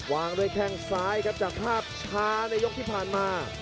วางด้วยแข้งซ้ายครับจากภาพช้าในยกที่ผ่านมา